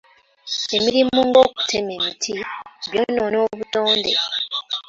Emirimu ng'okutema emiti by'onoona obutonde.